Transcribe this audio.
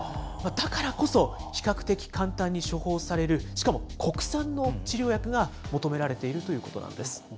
だからこそ比較的簡単に処方される、しかも国産の治療薬が求められているということなんです。